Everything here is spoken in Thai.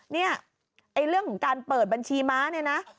เนี่ยไอ้เรื่องของการเปิดบัญชีม้าเนี่ยนะ